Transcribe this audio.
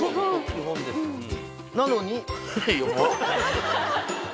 なのに。